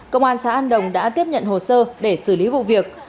công an xã an đồng đã tiếp nhận hồ sơ để xử lý vụ việc